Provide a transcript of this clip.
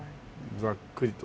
ざっくりと。